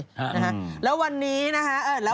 นะฮะแล้ววันนี้นะฮะ